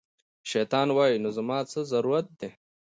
شیطان وایي، نو زما څه ضرورت دی